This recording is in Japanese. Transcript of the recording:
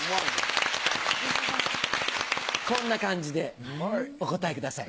こんな感じでお答えください。